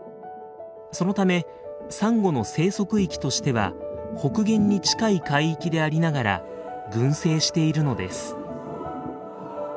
そのためサンゴの生息域としては北限に近い海域でありながら群生しているのです。